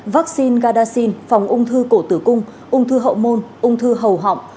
vaccine gadaxin phòng ung thư cổ tử cung ung thư hậu môn ung thư hầu họng